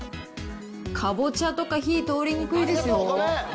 カボチャとか火、通りにくいですよ。